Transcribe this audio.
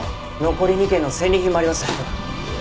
残り２件の戦利品もあります！